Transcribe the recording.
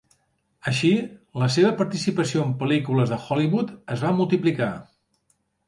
Així, la seva participació en pel·lícules de Hollywood es va multiplicar.